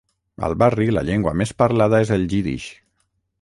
Al barri, la llengua més parlada és el jiddisch.